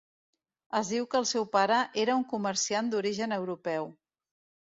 Es diu que el seu pare era un comerciant d'origen europeu.